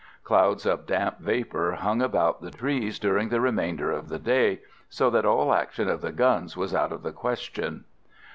Clouds of damp vapour hung about the trees during the remainder of the day, so that all action of the guns was out of the question.